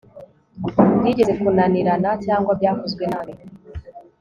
byigeze kunanirana cyangwa byakozwe nabi